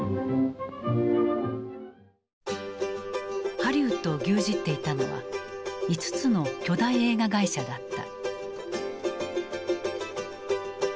ハリウッドを牛耳っていたのは５つの巨大映画会社だった。